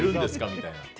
みたいな。